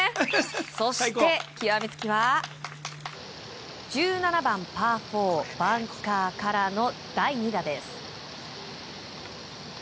そして、極めつけは１７番パー４バンカーからの第２打です。